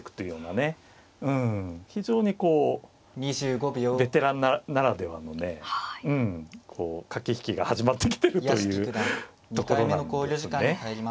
非常にこうベテランならではのねこう駆け引きが始まってきてるというところなんですね。